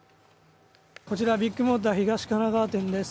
こちらビッグモーター東神奈川店です。